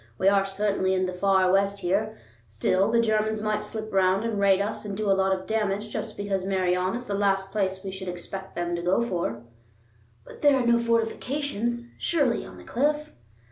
We are certainly in the far West here; still, the Germans might slip round and raid us and do a lot of damage just because Meirion is the last place we should expect them to go for." "But there are no fortifications, surely, on the cliff?"